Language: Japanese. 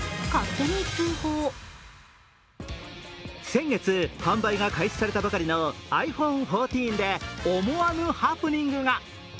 先月、販売が開始されたばかりのｉＰｈｏｎｅ１４で思わぬハプニングが。